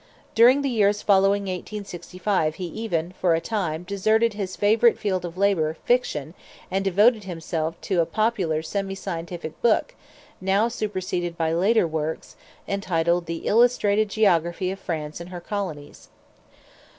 During the years following 1865 he even, for a time, deserted his favorite field of labor, fiction, and devoted himself to a popular semi scientific book, now superseded by later works, entitled "The Illustrated Geography of France and her Colonies."